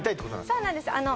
そうなんです